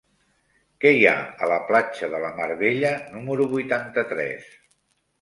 Què hi ha a la platja de la Mar Bella número vuitanta-tres?